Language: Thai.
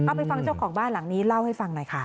ไปฟังเจ้าของบ้านหลังนี้เล่าให้ฟังหน่อยค่ะ